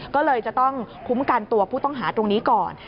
ก็เลยจะต้องคุ้มกันตัวผู้ต้องหาตรงนี้ก่อน